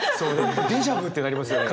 デジャブってなりますよね。